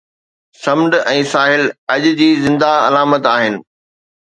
سمنڊ ۽ ساحل اڃ جي زنده علامت آهن